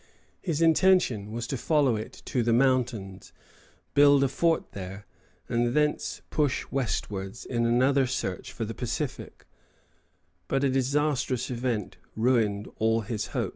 _] His intention was to follow it to the mountains, build a fort there, and thence push westward in another search for the Pacific; but a disastrous event ruined all his hopes.